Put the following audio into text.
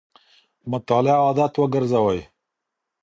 مطالعه عادت وګرځوئ.